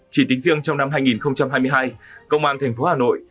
chỉ tính riêng trong năm hai nghìn hai mươi hai công an thành phố hà nội